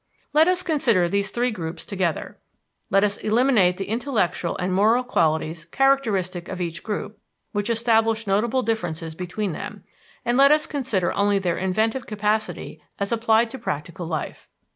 Let us consider these three groups together. Let us eliminate the intellectual and moral qualities characteristic of each group, which establish notable differences between them, and let us consider only their inventive capacity as applied to practical life.